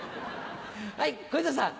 はい小遊三さん。